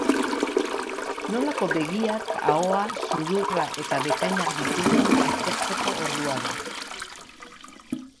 Nolako begiak, ahoa, sudurra eta bekainak dituzun aztertzeko ordua da.